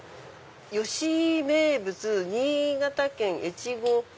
「良井名物新潟県越後」。